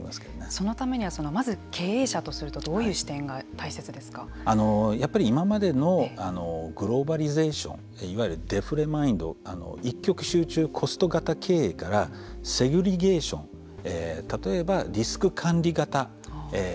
そのためにはまず経営者とするとやっぱり、今までのグローバリゼーションいわゆるデフレマインド一極集中コスト型経営からセグリゲーション例えば、リスク管理型。